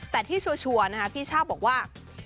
แต่ที่ชัวร์นะคะพี่ช่าบอกว่า